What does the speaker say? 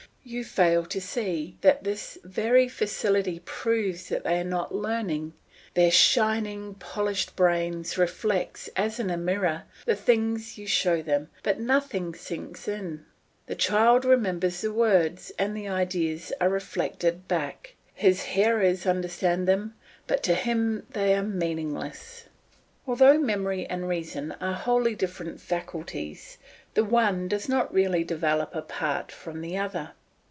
You fail to see that this very facility proves that they are not learning. Their shining, polished brain reflects, as in a mirror, the things you show them, but nothing sinks in. The child remembers the words and the ideas are reflected back; his hearers understand them, but to him they are meaningless. Although memory and reason are wholly different faculties, the one does not really develop apart from the other.